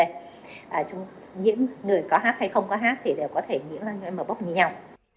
những người có hát hay không có hát thì đều có thể nhiễm m a p o s như nhau